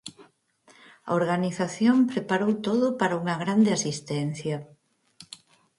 A organización preparou todo para unha grande asistencia.